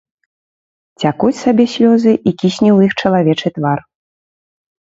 Цякуць сабе слёзы, і кісне ў іх чалавечы твар.